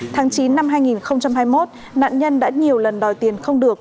tháng chín năm hai nghìn hai mươi một nạn nhân đã nhiều lần đòi tiền không được